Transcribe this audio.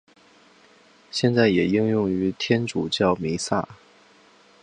现在也应用于天主教弥撒。